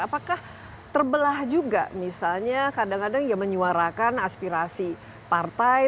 apakah terbelah juga misalnya kadang kadang ya menyuarakan aspirasi partai